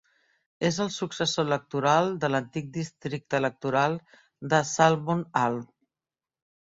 És el successor electoral de l'antic districte electoral de Salmon Arm.